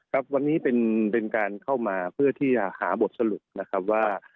ครับวันนี้เป็นการเข้ามาเพื่อที่จะหาบทสรุปนะครับว่า